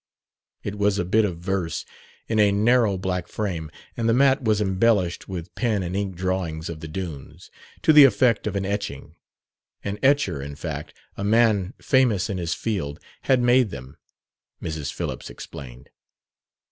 It was a bit of verse in a narrow black frame, and the mat was embellished with pen and ink drawings of the dunes, to the effect of an etching. An etcher, in fact, a man famous in his field, had made them, Mrs. Phillips explained.